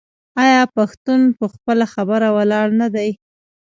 آیا پښتون په خپله خبره ولاړ نه دی؟